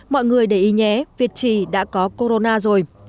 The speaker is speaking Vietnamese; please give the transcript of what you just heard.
mọi người để ý nhé việt trì đã có corona rồi